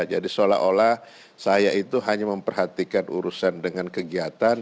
jadi seolah olah saya itu hanya memperhatikan urusan dengan kegiatan